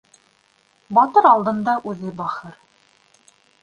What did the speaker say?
Батыр алдында үҙе бахыр.